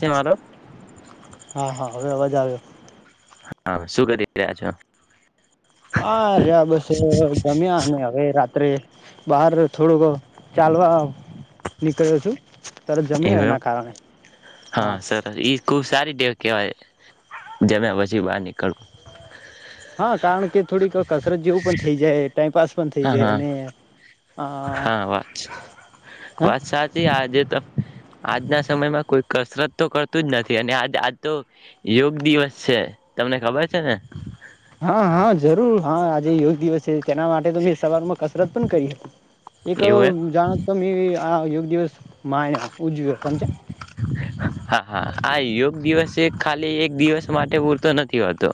છે મારો હા હા હવે અવાજ આવ્યો. હા શું કરી રહ્યા છો? હા ર્યા બસ જમ્યા ને હવે રાત્રે બહાર થોડોક ચાલવા નીકળ્યો છું તરત જમ્યો એવું એના કારણે હા. સરસ ઈ ખુબ સારી ટેવ કહેવાય જમ્યા પછી બહાર નીકળવું. હા. કારણ કે થોડીક કસરત જેવું પણ થઈ જાય. ટાઈમપાસ પણ થઈ હા જાય હા અને હા હ વાત વાત સાચી આજે તો આજના સમયમાં કોઈ કસરત તો કરતું જ નથી અને આજ આજ તો યોગ દિવસ છે તમને ખબર છે ને? હા હા જરૂર હા આજે યોગ દિવસ છે. તેના માટે તો મેં સવારમાં કસરત પણ કરી હતી. એક એવું એમ જાણ આ યોગ દિવસ માનો. ઉજવી ગ સમજ. હા હા આ યોગ દિવસ ખાલી એક દિવસ માટે પૂરતો નથી હોતો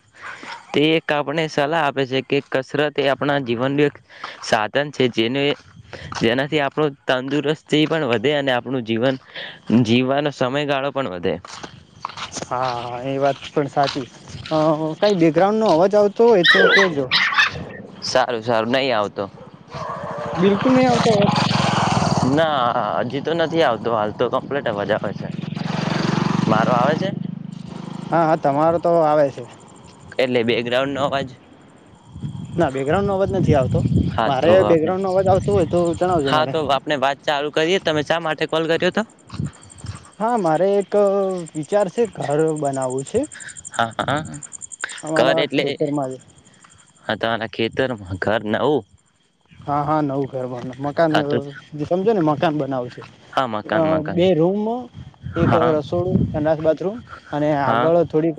તે એક આપણે સલાહ આપે છે કે કસરત એ આપણા જીવનનું એક સાધન છે જેને જેનાથી આપણું તંદુરસ્તી પણ વધે અને આપણું જીવન જીવવાનો સમયગાળો પણ વધે. હા હા એ વાત પણ સાચી તોય તો જો સારું સારું નહી આવતો બિલકુલ નહી આવતો અવાજ? હા હજી તો નથી આવતો હાલ તો કમ્પ્લીટ અવાજ આવે છે. મારો આવે છે? હા હા તમારો તો આવે છે. બેકગ્રઉન્ડ નો અવાજ? ના બેકગ્રાઉન્ડ નો અવાજ નથી આવતો હા તો મારે આપણે બેકગ્રાઉન્ડ નો અવાજ આવતો હોય તો જણાવજો હા મને. તો આપણે વાત ચાલુ કરીએ તમે શા માટે કોલ કર્યો તો? હા મારે એક વિચાર છે ઘર બનાવવું છે. હા હા ઘર અમારા એટલે? ખેતરમાં જ હાદના ખેતરમાં ઘર નઓ? હા હા નવુ ઘર [unintelligible] મકાન સમજો ને મકાન બનાવશે હા મકાન મકાન બે રૂમ, એક હા રસોડુંસ, સંડાસ-બાથરૂમ અને હા આગળ થોડીક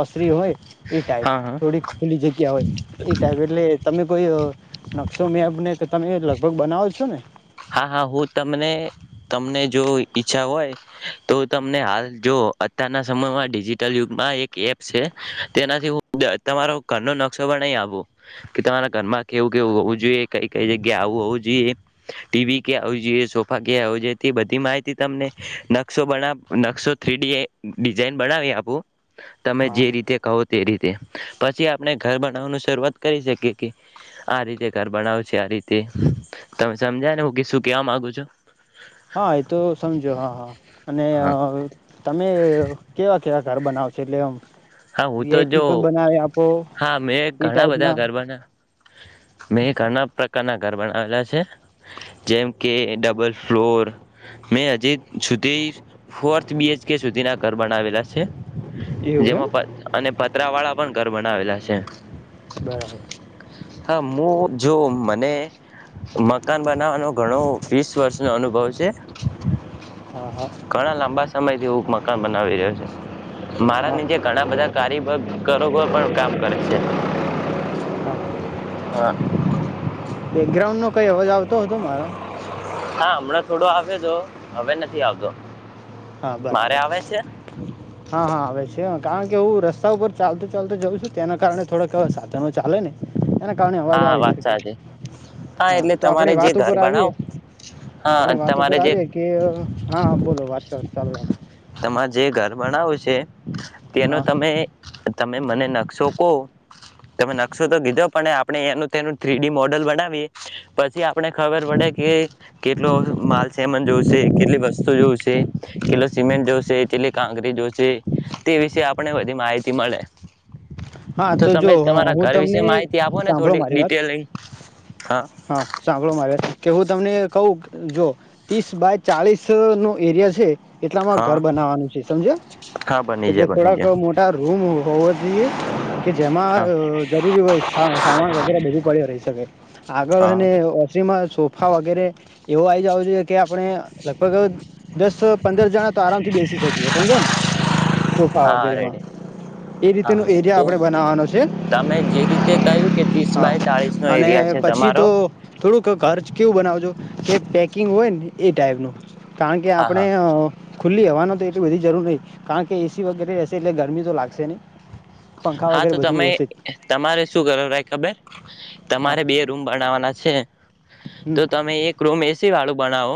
ઓસરી હોય એ ટાઈપ હા હા થોડીક ખુલ્લી જગ્યા હોય એ ટાઈપ એટલે તમે કોઈ મ મેંને તો તમે લગભગ બનાવો છો ને? હા હા હું તમને તમને જો ઈચ્છા હોય તો તમને હાલ જો અત્યારના સમયમાં ડિજિટલ યુગમાં એક એપ છે તેનાથી હ તમારો ઘરનો નકશો પણ નહીં આવું કે તમારા ઘરમાં કેવું કેવું હોવું જોઈએ કઈ કઈ જગ્યા આવું હોવું જોઈએ ટીવી ક્યાં આવવી જોઈએ સોફા ક્યાં હો જોઈએ તે બધી માહિતી તમને નશો બના નકશો થ્રીડીઝઇન બનાવી આપું. તમે હા જે રીતે કહો તે રીતે પછી આપણે ઘર બનાવવાનું શરૂઆત કરી શકીએ કે આ રીતે ઘર બનાવ છે આ રીતે તમે સમજાય ને હું કે શું કેવા માંગુ છું? હા એ તો સમજો હા હા અને હા તમે કેવા કે આ ઘર બનાવ છે એટલે એમ હા હું તો જો હા મેં એ ઘણા બધા ટાઈપના ગરબાના મેં ઘણા પ્રકારના ઘર બનાવેલા છે જેમ કે ડબલ ફ્લોર મેં હજી સુધી ફોર્થ બીચકે સુધી ના ઘર બનાવેલા છે એવું હમ જેમાં અને પતરા વાળા પણ ઘર બનાવેલા છે બરાબ હા હું જો મને મકાન બ નો ઘણો વીસ વર્ષ અનુભવ છે હા હા ઘણા લાંબા સમય એવું મકાન બનાવી રહ્યો છે મારા હા નીચે બધા કારી પણ કામ કરે છે હા હ બેકગ્રાઉન્ડ નો કઈ અવાજ આવતો હતો મારા હા હમણાં થોડો આવે તો હવે નથી આવતો હા મારે બરાબર આવે છે હા હા આવે છે કારણ કે હું રસ્તા ઉપર ચાલતો ચાલતો જઉં છું તેના કારણે થોડાકવા સાધનો ચાલે ને એના કારણે અવાજ હા આવી વાત શકે સાચી હા એટલે તો તમારે આપણી જે વાત ઘર ઉપર આવીએ બનાવો હા આપણી વાત ઉપર તમારે જે આવીએ કે હા બોલો વાત ચાલુ રાખો તમામાં જે ગ ઘર બણવું છે તેનો હા તમે તમે મને નકશો કહો તમે નકશો તો કીધો પણ આપણે એનું તેનું થ્રી ડી મોડલ બનાવીએ પછી આપણે ખબર પડે કે કેટલો માલ સમન જોશે કેટલી વસ્તુ જોશે કેટલો સિમેન્ટ જોશે કેટલી કાંકરી જોશે તે વિશે આપણે બધી માહિતી મળે હા તો જો તમે હ તમારા હું ઘર વિશે તમને માહિતી આપો ને સાંભળો થોડી મારી વાત ડિટેલિંગ હા સાંભળો મારી વાત કે હું તમને કું જો ત્રીસ બાય ચાલીસ નો એરિયા છે એટલામાં ઘર હા બનાવાનું છે સમજ હા બની એટલે જાય બની થોડાક જાય મોટા રૂમ હોવાો જોઈએ કે જેમાં હા જરૂરી સામાન વગેરે બધુ પડ્યો રહી શકે આગળ હા. અને ઓસીમાં સોફા વગેરે એવું આ આવી જ આવ જો કે આપણે લગભગ દસ પંદર જણા તો આરામ થી બેસી શકીએ સમજે ને સોફા હા વગેરેમાં રેડી એ રીતેનું હા તો તમે જે રીતે કહ્યું કે ત્રીસ હા બાય ચાલીસ નો એરિયા છે તમારો ઘરચ કેવું બનાવજો કે પેકિંગ હોયને એ ટાઈપ ન. કારણ કે હા આપડણે હા ખુલ્લી હવાનું તો બધી જરૂર ન કારણ કે એસી વગેરે રહેશે એટલે ગરમી તો લાગશે નહી. હા તો તમે તમારે શું કરો ભાઈ ખબર હા તમારે બે રૂમ બનાવાના છે. હમ. તો તમે એક રૂમ એસી વાળો બનાો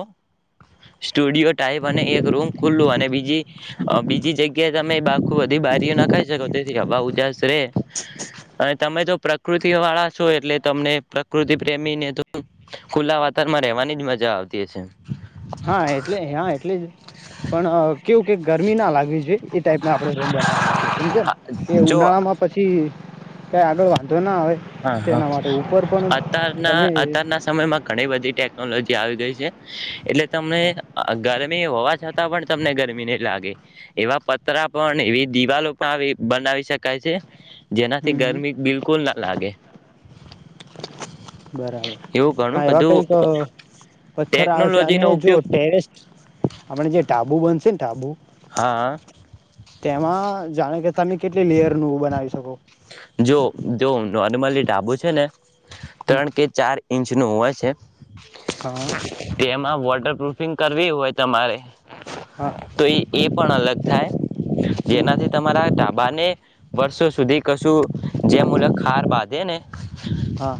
સ્ટુડિયો ટાઈપ અને એક રૂમ ખુલ્લુ અને બીજી બીજી જગ્યા તમે બાખું બધી બારીઓ ના ખાઈ શકો છ થી હ ઉદાસ રે અને તમે જો પ્રકૃતિ વાળા છો એટલે તમને પ્રકૃતિ પ્રેમીને તો ખુલ્લા વાતરણમાં રહેવાની જ મજા આવતી હશે. હા એટલે હા એટલે જ પણ કેવું કે ગરમી ના લાગવી જોઈએ એ ટાઈપ ના આપણે રૂમ બનાવવાના છે સમજે ને. એ જો ઉનાળા માં પછી કઈ આગળ વાંધો ના આવે હા હા તેના માટે ઉપર પણ તમે અત્યારના અત્યારના સમયમાં ઘણી બધી ટેકનોલોજી આવી ગઈ છે એટલે તને ગરે હોવા છતાં પણ તમને ગરમી નહી લાગે એવા પતરા પણ એવી દિવાલો પણ આવે બનાવી શકાય છે. જેનાથી હમ ગરમી બિલકુલ ના લાગે. [inaudible] બરાબર એવું ઘણું હા એવા બધું કઈક પથ્થર આવે છે અને ટેકનોલોજીનો જો ઉપયોગ ટેરેસ્ટ આપણે જે ડાબુ બનશે ને ડાબુ હા તેમાં જાણે કે તમે કેટલી લેયરનું બનાવી શકો નોર્નિમલી ડાબો છે ને હમ ત્રણ કે ચાર ઇંચ નું હોય છે. [inaudible] વોટર પ્રૂફિંગ કરવી હોય તમારે હા તો એ એ પણ અલગ થાય હમ જેનાથી તમારા ાબાને વર્ષો સુધી કશું જે મુલ ખાર બાંધે ને [inaudible] હા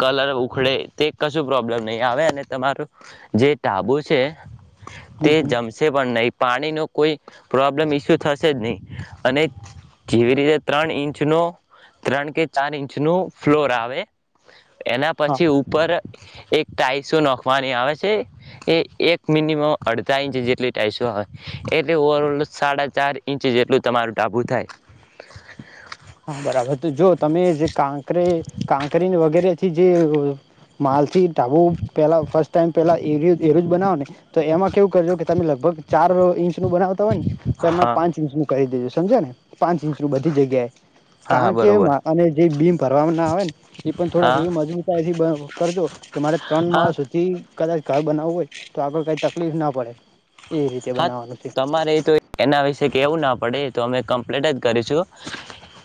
કલર ઉખડે તે કશું પ્રોબ્લેમ નહીં આવે અને તમારું જે ટાબુ છે તે હમ હમ જમશે પણ નહી પાણીનો કોઈ પ્રોબ્લેમ ઇસ્યુ થશે જ નહીં અને જેવી રીતે ત્રણ ઇંચ ન ત્રણ કે ચાર ઇંચ ન ફ્લોર આવે એના હા પછી ઉપર એક ટાઈસો નોખવાની આવે છે એ એક મિનિમમ અડધા ઇંચ જેટલી ટાઈસો આવે એટલે ઓવરલ સાડા ચાર ઇંચ જેટલું તમારું ઢાબું થાય હા બરાબર તો જો તમે થી જે માલથી તો આવું પહેલાં ફર્સ્ટ ટાઈમ પેલા એરુજ બનાવો ને તો એમાં કેવું કરજો કે તમે લગભગ ચાર ઇંચ નું બનાવતા હોય ને તો એમાં હા પાંચ ઇંચનું કરી દેજ સમજ્યાં ને પાંચ ઇંચનું બધી જગ્યાએ હા હા કારણ કે બરોબર અને જે બીમ ભરવાના આવે ને એ પણ થોડાક હા એવી મજબૂતાઇથી કરજો કે મારે ત્રણ હા માળ સુધી કદાચ ઘર બનાવવું હોય તો આગળ કઈ તકલીફ ના પડે એ રીતે હા બનાવવાનું છે તમારે તો એના વિશે કેવું ના પડે એતો અમે કમ્પ્લેટ જ કરીશું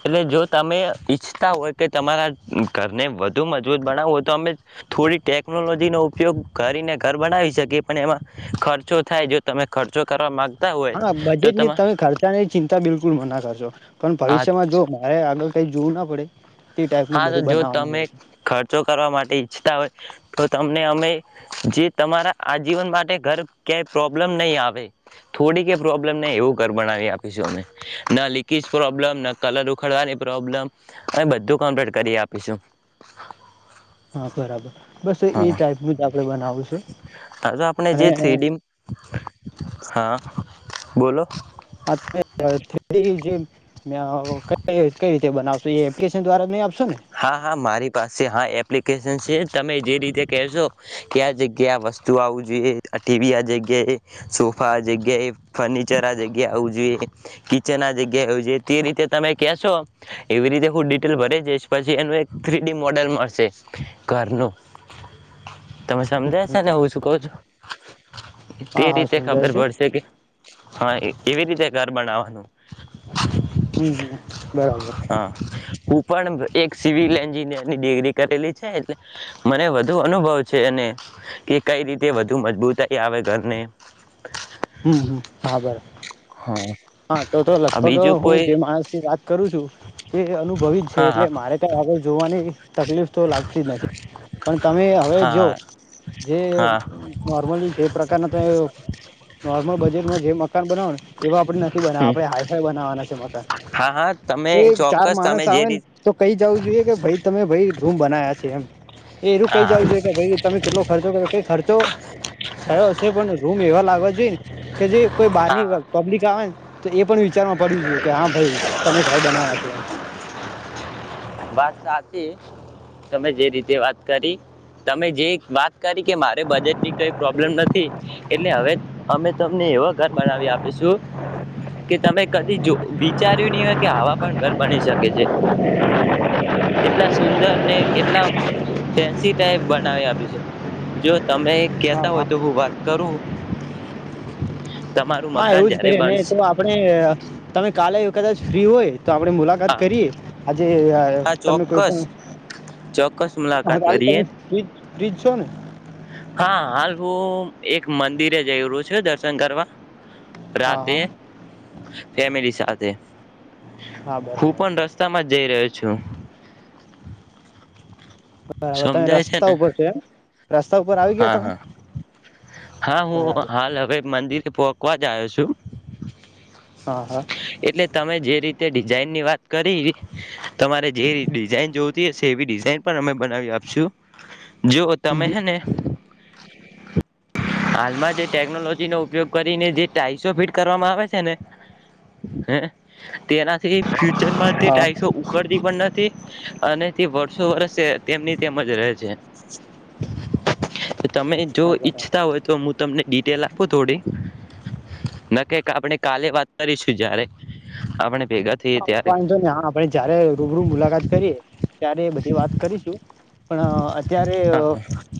એટલે જો તમે ઈચ્છતા હોય કે તમારા ઘરને વધુ મજબૂત બનાવો હોય તો અમે થોડી ટેકનોલોજીનો ઉપયોગ કરીને ઘર બનાવી શકીએ પણ એમાં ખર્ચો થાય જો તમે ખર્ચો કરવા માગ હા બજેટ ની તમે ખર્ચાની ચિંતા બિલકુલના કરશો પણ હાથ ભવિષ્યમાં જો મારે આગળ કંઈ જોવું ના પડે તે ટાઈપનું હા તો બધું જો બનાવવાનું તમે હોય છે ખર્ચો કરવા માટે ઈચ્છતા હોય તો તમને અમે જે તમારા આજીવન માટે ઘર ક્યાંય પ્રોબ્લેમ નહીં આવે થોડી કય પ્રોબ્લમ નહીં એવું ઘર બનાાવી આપીશું અમે ન લીકેજ પ્રોબ્લમ ન કલર ઉખડવાની પ્રોબ્લમ અ બધું કમપલેટ કરી આપીશું હા બરાબર બસ એ હા ટાઈપનું જ આપડે બનાવું છે હા તો આપણે અને જે થ્રીડી હા [unintelligible] બોલો હા [inaudible] કઈ કઈ રીતે બનાવશો એપ્લિકેશન દ્વારા ન આપ હા હા મારી પાસે હા એપ એપ્લિકેશન છે તમે જે રીતે કહેશો કે આ જગ્યાએ આ વસ્તુ આવું જોઈએ ટીવી આ જગ્યાએ સોફા જગ્યાએ ફર્નિચર આ જગ્યાએ આવું જોઈએ કિચન આ જગ્યાએ આવવુ જોઈએ તે રીતે તમે કહેશો એવી રીતે હું ડિટેલ ભરી દઈશ પછી એનું એક થ્રીડી મોડલ મળશે ઘરનું તમે સમજાય છે ને હું શું કઉ છું હા હા તે હા રીતે સમજાય ખબર છે પડશે કે હા એવી રીતે ઘર બનાવો નું હમ હમ બરાબર પણબ એક સિવિલ એન્જિનિયરની ડિગ્રી કરેલી છે એટલે મને વધુ અનુભવ છે અને કે કઈ રીતે વધુ મજબૂતાઈ આવે ઘરને હમ હમ હા બર આ હા તો તો લગભગ બીજું હું કોઈ જે માણસ રાત કરું છું તે અનુભવી જ છે હા એટલે હા મારે કાંઈ આગળ જોવાની તકલીફ તો લાગતી જ નથી પણ તમે હવે જો હા જે હા નોર્મલી જે પ્રકારના તમે નોર્મલ બજેટમાં જે મકાન બનાવો ને એવા આપણે બનાવા આપણેે હાઈફાઈ બનાવાના છે મકાન હા હા તમે એ ચાર ચોક્કસ માણસ તમે જે આવે ને રીત તો કઈ જવું જોઈએ કે ભાઈ તમે ભાઈ રૂમ બના્યા છે એમ એ એું કઈ જવું હા જોઈએ કે ભાઈ તમે કેટલો ખર્ચો કર ક ખર્ચો થયો છે પણ રૂમ એવા લાગવા જોઈએ ને કે જે કોઈ બારની હા પબ્લિક આવે ને તો એ પણ વિચારમાં પડ્યું છે કે હા ભાઈ તમે ઘર બનાયા છ એ વાત સાચી તમે જે રીતે વાત કરી તમે જે વાત કરી કે મારે બજેટની કઈ પ્રોબ્લેમ નથી એટલે હવે અમે તમને એવ ઘર બનાવી આપીશું કે તમે કદી વિચાર્યું નની હોય કે હવા પણ ઘર બની શકે છે એટલા સુંદર ને એટલા ફેન્સી ટાઈપ બનાવી આપી છે જો તમે હા કેતા હોય હા તો હું વાત કરું તમારું હા મકાન એવું જ જયારે કરીએ ને બનશે તો આપડણે તમે કાલે કદાચ ફ્રી હોય તો આપણેે મુલાકાત હા કરીએ આજે હા તમે કોઈ ચોક્કસ ચોક્કસ મુલાકાત પણા ત કરીએ ફ રોને ું એક મંદિરે જઈ્યું છે દર્શન કરવા હા રાતે હા ફેમિલી સાથે હા હું બરાબર પણ રસ્તામાં જ જઈ રહ્યો છું બરાબર તમે સમજાય રસ્તા ને ઉપર છે એમ રસ્તા ઉપર આવી ગયા હા તમે હા હા હું બરાબર હાલ હવે મંદિરેકવા જ આવ્યો છું હા હા એટલે તમે જે રીતે તે ડિઝાઇનની વાત કરી તમારે જે ડિઝાઇન જોતી હશે એવી ડિઝાઇન પણ અમે બનાવી આપશું જોઓ હમ, તમે હમ. હે ને [inaudible] હાલમાં જે ટેકનોલોજીનોો ઉપયોગ કરીને જે ટાાઈસો ફિટ કરવામાં આવે છે ને હ તેના ફ્યચરમાં તે હા ટાઈઇસો ઉકડતી પણ નથી અને તે વર્ષો વર્ષ તેમની તેમજ રહે છે તમે જો હા બરાબર ઈચ્છતા હોય તમનેિટેલ આપું થોડી કક આપણે કાલે વાત કરીશું જારે આપણે ભેગા થઈએ હ ત્યારે. વાંધો ને હા આપે જયારે રૂબરૂ મુલાકાત કરીએ ત્યારે બધી વાત કરીશું પણ અત્યારે હા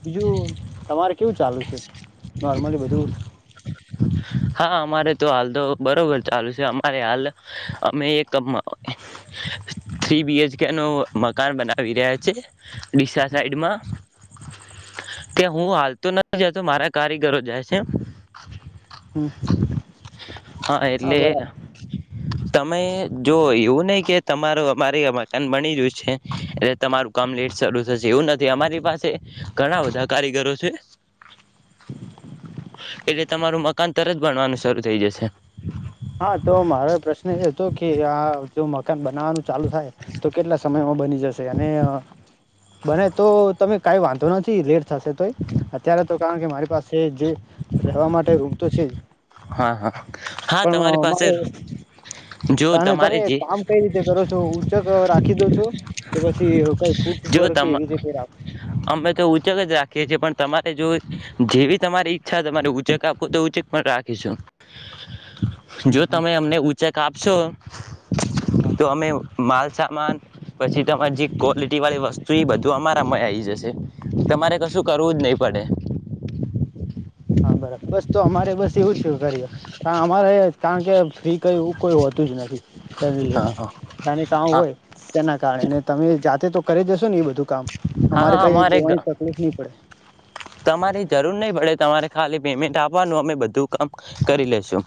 બીજું તમારે કેવું ચાલુ છે નોર્મલી બધું હા અમારે તો હાલ તો બરોબર ચાલુ છે અમારે હાલ અમે એક થ બીએચકે નું મકાન બનાવી રહ્યા છે ઓડિશસા સાઈડમાં ત્યા હું હાલ તો ના જ તો મારા કારીગરો જાય છે હમ હા એટલે તમે જો એવું નહ કે તમાર અમારે મકાન બની ગયું છે એટલે તમારું કામ લેટ ચાલુ છે થ એવું નથી અમારી પાસે ઘણા બધા કારીગરો છે એટલે તમારું મકાન તરત બણવાનું શરૂ થઈ જશે હા તો મારો પ્રશ્ન એ હતો કે આ જો મકાન બનાવવાનું ચાલુ થાય તો કેટલા સમયમાં બની જશે અને બને તો તમે કઈ વાંધો નથી લે થશે તોય અત્યારે તો કારણ કે મારે પાસે જે રહેવા માટે ઊગતો છે જ હા હા હા તમારી પણ પાસે જો મારે તમે તમારે જે કામ કઈ રીતે કરો છો ઉંચક રાખી દો છો કે પછી કઈ ફૂટ જો ઉપર કે તમ એવી કઈ રાખ છે પણ તમારે જો જેવી તમારી ઈચ્છા તમા ઉચેક આપો તો ઉચક પણ રાખ એજું હમ જો હમ તમે અમને ઉંચ ક આપ સો હા તો અમે માલસામાન પછી તમારી જે ક્વોલિટી વાળી વસ્તુ એ બધું અમારા મ આવી જશે તમારે કશું કરવું જ નહી પડે હા બરા બસ તો અમારે બસ એવું જ કરી અમારે કારણ કે ફ્રી કય એવું કોઈ હોતું જ નથી ફેમ હા લેવા હા અનેને કામ હા હોય તેના કારણેને તમે જા તો કરી જશો ને એ બધું કામ હા કઈ અમારે જોવાની તકલીફ નહી પડે તમારી જરૂર નહી પડે તમારે ખાલી પેમેન્ટ આપવાનું અમે બધું કામ કરી લેશું